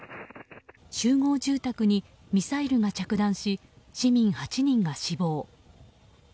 集合住宅にミサイルが着弾し市民８人が死亡。